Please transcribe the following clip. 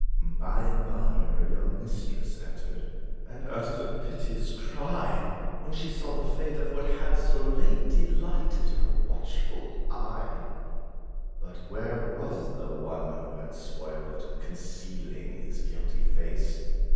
By and by her young mistress entered, And uttered a piteous cry, When she saw the fate of what had so late Delighted her watchful eye. But where was the one, who had spoiled it, Concealing his guilty face?